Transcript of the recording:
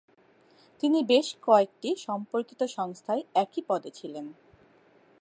তিনি বেশ কয়েকটি সম্পর্কিত সংস্থায় একই পদে ছিলেন।